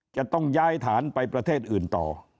จะต้องย้ายฐานไปประเทศอื่นต่อ